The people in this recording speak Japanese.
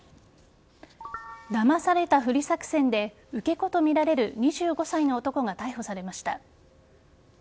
だまされたふり作戦で受け子とみられる２５歳の男が逮捕されました。